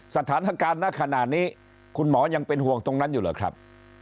สถานการณ์ณขณะนี้คุณหมอยังเป็นห่วงตรงนั้นอยู่เหรอครับ